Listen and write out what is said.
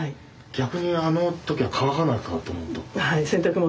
逆にあの時は乾かないかなと思った。